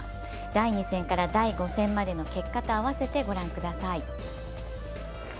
第２戦から第５戦までの結果と併せてご覧ください。